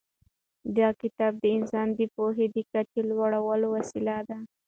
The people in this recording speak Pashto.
دا کتاب د انسان د پوهې د کچې د لوړولو وسیله ده.